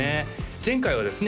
前回はですね